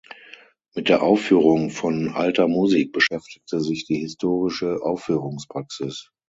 Mit der Aufführung von Alter Musik beschäftigt sich die Historische Aufführungspraxis.